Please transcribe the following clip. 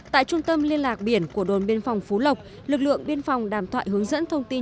tại trung tâm liên lạc biển của đồn biên phòng phú lộc lực lượng biên phòng đàm thoại hướng dẫn thông tin